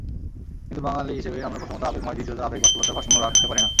কিন্তু বাঙালি হিসেবে আমরা প্রথমত আবেগময়, দ্বিতীয়ত আবেগ-বাস্তবতার ভারসাম্য রাখতে পারি না।